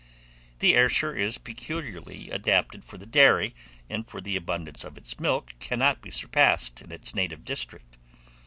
The Ayrshire is peculiarly adapted for the dairy, and for the abundance of its milk cannot be surpassed in its native district.